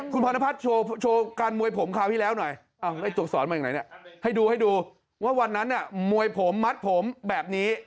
คุณพรณพัฒน์โชว์การมวยผมคราวที่แล้วหน่อยให้ดูว่าวันนั้นมวยผมมัดผมแบบนี้